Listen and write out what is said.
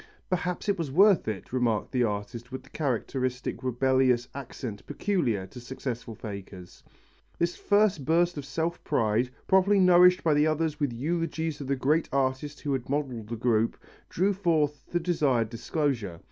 "Perhaps it was worth it," remarked the artist with the characteristic rebellious accent peculiar to successful fakers. This first burst of self pride, properly nourished by the other with eulogies of the great artist who had modelled the group, drew forth the desired disclosure.